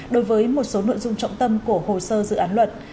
đối với một số nội dung trọng tâm của hồ sơ dự án luật